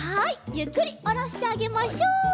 ゆっくりおろしてあげましょう。